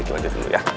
itu aja dulu ya